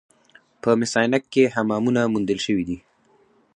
په مس عینک کې حمامونه موندل شوي